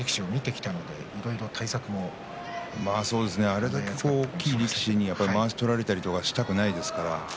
あれだけ大きい力士にはまわしを取られたりはしたくないですからね。